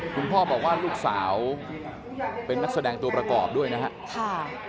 ผู้โบรว่าลูกสาวเป็นนักแสดงตัวประกอบด้วยนะฮะ